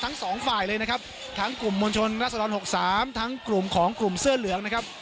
ทั้งสองฝ่ายเลยนะครับทั้งกลุ่มมวลชนรัศดร๖๓ทั้งกลุ่มของกลุ่มเสื้อเหลืองนะครับ